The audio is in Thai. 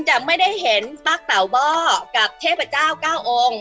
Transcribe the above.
จะไม่ได้เห็นป้าเต่าบ้อกับเทพเจ้าเก้าองค์